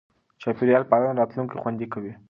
چاپېریال پالنه راتلونکی خوندي کوي.